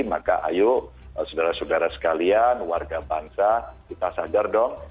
maka ayo saudara saudara sekalian warga bangsa kita sadar dong